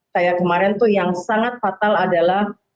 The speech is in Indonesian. kayak kemarin tuh yang sangat fatal adalah